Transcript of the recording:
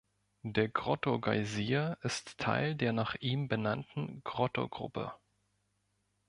Der Grotto-Geysir ist Teil der nach ihm benannten "Grotto-Gruppe".